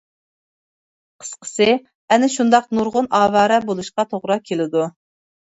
قىسقىسى، ئەنە شۇنداق نۇرغۇن ئاۋارە بولۇشقا توغرا كېلىدۇ.